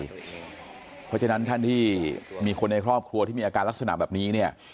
เพราะฉะนั้นท่านที่มีคนในครอบครัวที่มีอาการลักษณะแบบนี้เนี่ย